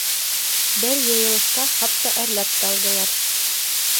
Бер йыйылышта хатта әрләп тә алдылар.